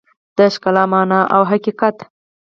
د ښکلا مانا او حقیقت